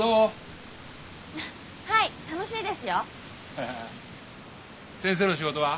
ハハハ先生の仕事は？